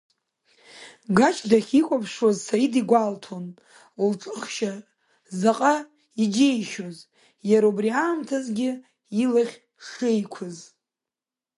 Гач дахьихәаԥшуаз Саида игәалҭон, лҿыхшьа заҟа иџьеишьоз, иара убри аамҭазгьы илахь шеиқәыз.